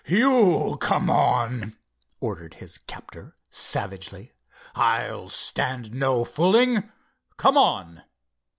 "You come on," ordered his captor, savagely. "I'll stand no fooling. Come—on!"